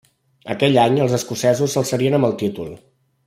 Aquell any els escocesos s'alçarien amb el títol.